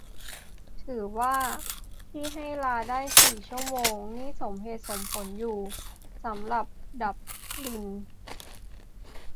ถือว่าที่ให้ลาได้สี่ชั่วโมง นี่สมเหตุสมผลอยู่ สำหรับดับลิน